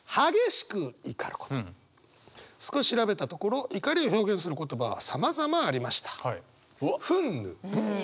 少し調べたところ怒りを表現する言葉はさまざまありました。